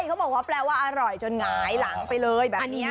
เขาบอกว่าแปลว่าอร่อยจนหงายหลังไปเลยแบบนี้